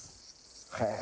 へえ。